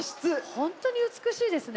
ほんとに美しいですね。